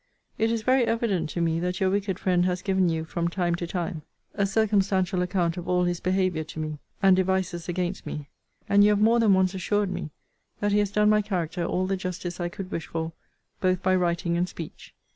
It is very evident to me that your wicked friend has given you, from time to time, a circumstantial account of all his behaviour to me, and devices against me; and you have more than once assured me, that he has done my character all the justice I could wish for, both by writing and speech.